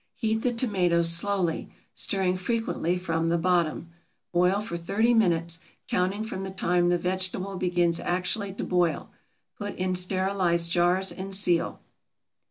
Heat the tomatoes slowly, stirring frequently from the bottom. Boil for thirty minutes, counting from the time the vegetable begins actually to boil. Put in sterilized jars and seal.